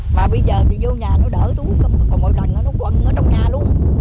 mà bây giờ thì vô nhà nó đỡ thúi còn mỗi lần nó quần ở trong nhà luôn